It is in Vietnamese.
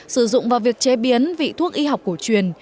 sử dụng vào việc chế biến vị thuốc y học cổ truyền